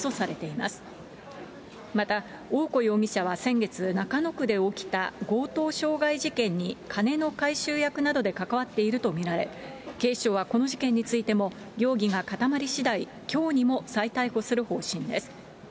また大古容疑者は先月、中野区で起きた強盗傷害事件に金の回収役などで関わっていると見られ、警視庁はこの事件についても、容疑が固まりしだい、きょうにも再逮捕する方針です。